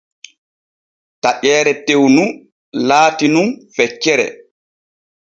Taƴeere tew nu laati nun feccere.